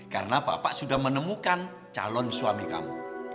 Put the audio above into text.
karena bapak sudah menemukan calon suami kamu